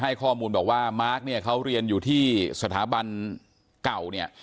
ข้อมูลบอกว่ามาร์คเนี่ยเขาเรียนอยู่ที่สถาบันเก่าเนี่ย